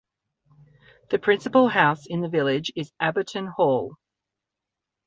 The principal house in the village is Abberton Hall.